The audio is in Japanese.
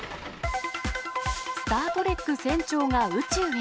スター・トレック船長が宇宙へ。